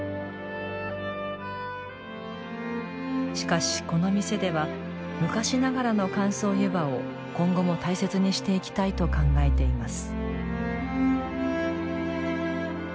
しかし、この店では昔ながらの乾燥湯葉を今後も大切にしていきたいと考えています。